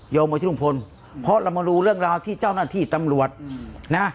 มาที่ลุงพลเพราะเรามาดูเรื่องราวที่เจ้าหน้าที่ตำรวจนะ